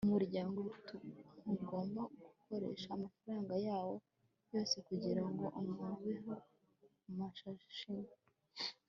umuryango ntugomba gukoresha amafaranga yawo yose kugirango umuntu abeho kumashini